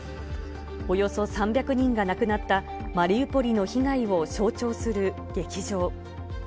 およそ３００人が亡くなったマリウポリの被害を象徴する劇場。